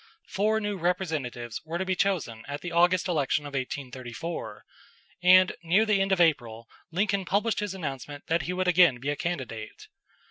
Four new representatives were to be chosen at the August election of 1834, and near the end of April Lincoln published his announcement that he would again be a candidate.